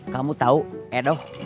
kamu tau edoh